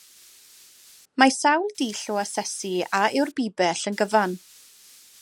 Mae sawl dull o asesu a yw'r bibell yn gyfan.